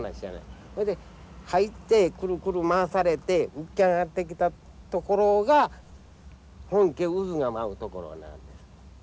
それで入ってくるくる回されて浮き上がってきたところがほんけ渦が舞うところなんです。